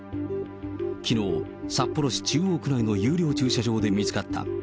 きのう、札幌市中央区内の有料駐車場で見つかった。